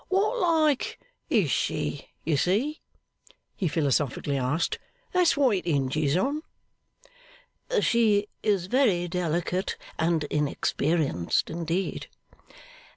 'What like is she, you see?' he philosophically asked: 'that's what it hinges on.' 'She is very delicate and inexperienced indeed.